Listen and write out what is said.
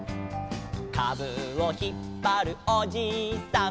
「かぶをひっぱるおじいさん」